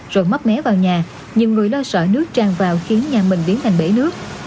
rồi móc mé vào nhà nhiều người lo sợ nước tràn vào khiến nhà mình biến thành bể nước